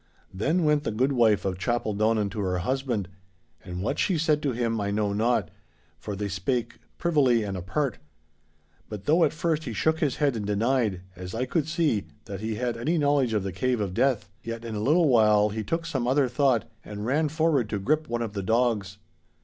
Then went the goodwife of Chapeldonnan to her husband. And what she said to him I know not, for they spake privily and apart. But though at first he shook his head and denied, as I could see, that he had any knowledge of the Cave of Death, yet in a little while he took some other thought and ran forward to grip one of the dogs.